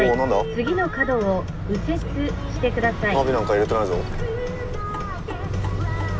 「次の角を絶対に右折してください」。